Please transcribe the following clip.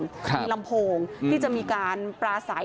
มีลำโพงที่จะมีการปลาใส